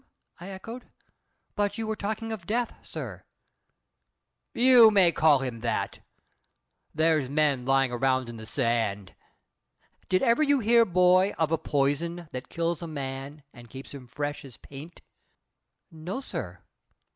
I echoed. "But you were talking of Death, sir." "You may call him that. There's men lyin' around in the sand Did ever you hear, boy, of a poison that kills a man and keeps him fresh as paint?" "No, sir."